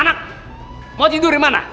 mau tidur dimana